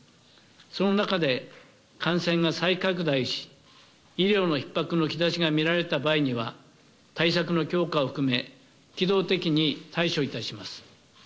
その中で、感染が再拡大し、医療のひっ迫の兆しが見られた場合には、対策の強化を含め、機動的に対処いたします。